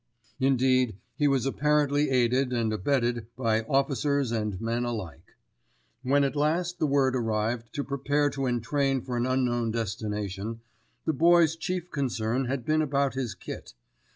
Indeed, he was apparently aided and abetted by officers and men alike. When at last the word arrived to prepare to entrain for an unknown destination, the Boy's chief concern had been about his kit.